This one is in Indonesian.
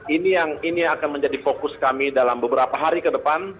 ini yang ini akan menjadi fokus kami dalam beberapa hari ke depan